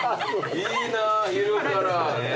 いいな昼から。